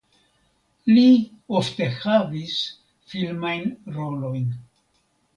Li ofte havis filmajn rolojn.